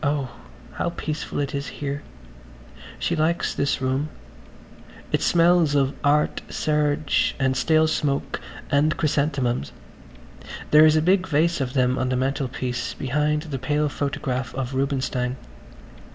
... Oh, how peaceful it is here. She likes this room. It smells of art serge and stale smoke and chrysanthemums ... there is a big vase of them on the mantelpiece behind the pale photograph of Rubinstein